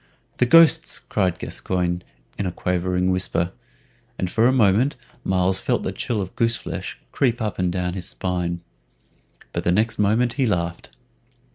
"The ghosts!" cried Gascoyne, in a quavering whisper, and for a moment Myles felt the chill of goose flesh creep up and down his spine. But the next moment he laughed.